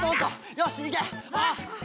よしいけ！